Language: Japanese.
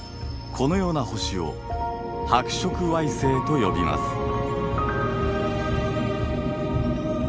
このような星を白色矮星と呼びます。